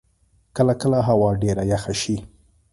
کله کله هوا ډېره یخه شی.